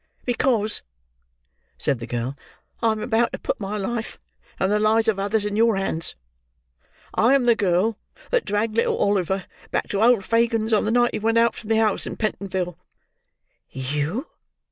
"Because," said the girl, "I am about to put my life and the lives of others in your hands. I am the girl that dragged little Oliver back to old Fagin's on the night he went out from the house in Pentonville." "You!"